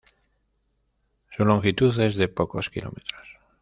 Su longitud es de pocos kilómetros.